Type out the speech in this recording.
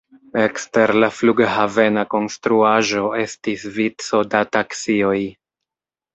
Ekster la flughavena konstruaĵo estis vico da taksioj.